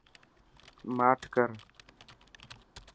ماٺ ڪر.